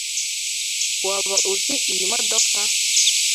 Waba uzi iyi modoka?